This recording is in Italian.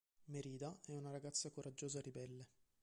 Merida è una ragazza coraggiosa e ribelle.